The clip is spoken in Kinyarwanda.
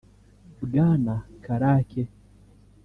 Bwana Karake